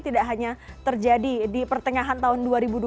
tidak hanya terjadi di pertengahan tahun dua ribu dua puluh